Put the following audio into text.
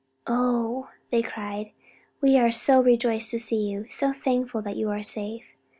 "Oh," they cried, "we are so rejoiced to see you! so thankful that you are safe.